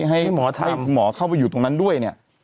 ให้หมอไทยหมอเข้าไปอยู่ตรงนั้นด้วยเนี่ย